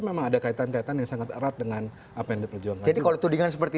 memang ada kaitan kaitan yang sangat erat dengan apa yang diperjuangkan jadi kalau tudingan seperti